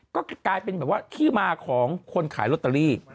ก็กลายเป็นแบบว่าที่มาของคนขายลอตเตอรี่